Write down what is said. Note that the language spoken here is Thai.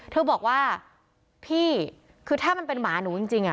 เธอบอกว่าพี่คือถ้ามันเป็นหมาหนูจริง